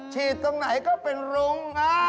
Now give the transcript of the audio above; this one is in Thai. ตรงไหนก็เป็นรุ้ง